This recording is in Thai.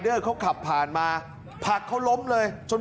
เห็นไหมที่ถูกผลักล้มนี่